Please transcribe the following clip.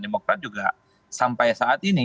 demokrat juga sampai saat ini